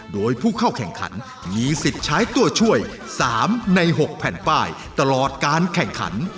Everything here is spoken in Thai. โดยผู้เข้าแข่งขันมีสิทธิ์ใช้ตัวช่วย๓ใน๖แผ่นป้ายตลอดการแข่งขัน